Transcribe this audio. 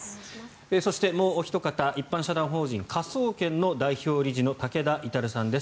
そしてもうおひと方一般社団法人火葬研の代表理事の武田至さんです。